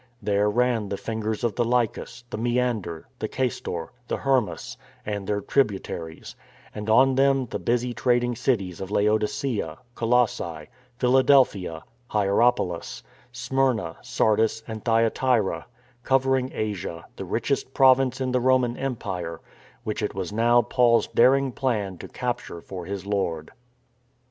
There ran the fingers of the Lycus, the Meander, the Caistor, the Hermus, and their tributaries; and on them the busy trading cities of Laodicea, Colossse, Philadelphia, Hierapolis, Smyrna, Sardis and Thyatira, covering Asia, the richest province in the Roman Empire — which it was now Paul's daring plan to capture for his Lord.